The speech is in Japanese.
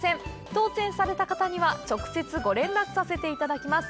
当せんされた方には直接ご連絡させていただきます。